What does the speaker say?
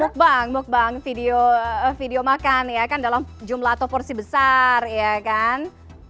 mukbang mukbang video makan ya kan dalam jumlah atau porsi besar ya kan